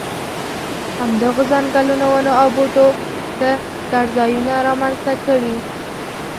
همدغو ځنګلونو ونو او بوټو ښه څړځایونه را منځته کړي.